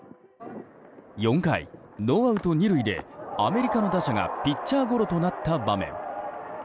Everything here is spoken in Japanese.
４回、ノーアウト２塁でアメリカの打者がピッチャーゴロとなった場面。